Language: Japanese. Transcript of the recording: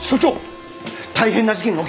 大変な事件が起きました！